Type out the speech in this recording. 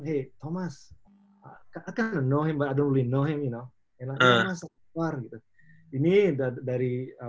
hey thomas saya tidak tahu dia tapi saya tidak tahu dia